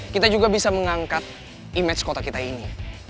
kita juga bisa mengangkat image kota kita ini